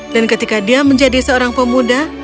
dan ketika dia menjadi seorang pemuda